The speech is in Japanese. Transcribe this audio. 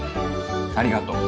ありがとう。